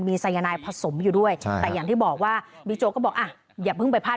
ที่ผสมอยู่กับสมุนไพร